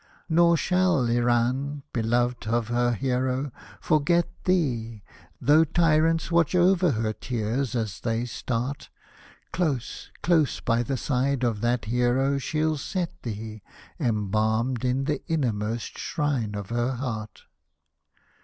Nor shall Iran, beloved of her Hero ! forget thee — Though tyrants watch over her tears as they start, Close, close by the side of that Hero she'll set thee. Embalmed in the innermost shrine of her heart.